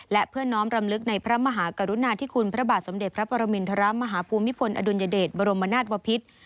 และเพื่อน้อมรำลึกในพระมหากรุณาธิคุณพระบาทสมเด็จพระปรมินทรมาฮภูมิพลอดุลยเดชบรมนาศวพิษ